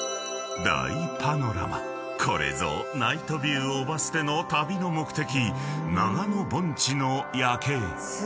［これぞナイトビュー姨捨の旅の目的］